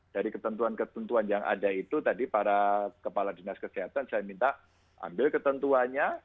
dari ketentuan ketentuan yang ada itu tadi para kepala dinas kesehatan saya minta ambil ketentuannya